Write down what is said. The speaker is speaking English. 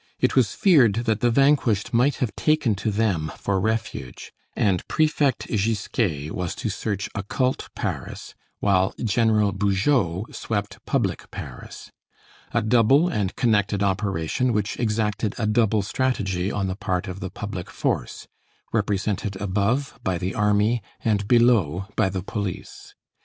It was feared that the vanquished might have taken to them for refuge, and Prefect Gisquet was to search occult Paris while General Bugeaud swept public Paris; a double and connected operation which exacted a double strategy on the part of the public force, represented above by the army and below by the police.